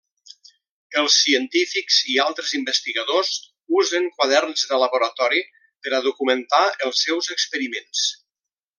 Els científics i altres investigadors usen quaderns de laboratori per a documentar els seus experiments.